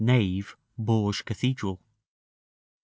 Nave, Bourges Cathedral. 11.